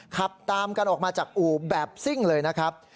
ขับตามกันออกมาจากอู่แบบซิ่งเลยนะครับ